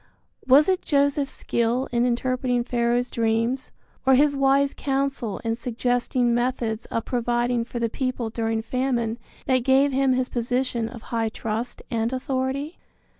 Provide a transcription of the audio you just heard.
Was it Joseph's skill in interpreting Pharaoh's dreams, or his wise counsel in suggesting methods of providing for the people during famine that gave him his position of high trust and authority?